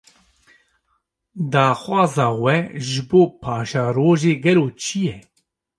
Daxwaza we, ji bo paşerojê gelo çi ye?